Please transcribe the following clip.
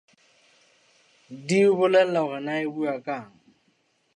Di o bolella hore na e bua kang.